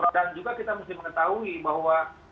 dan juga kita mesti mengetahui bahwa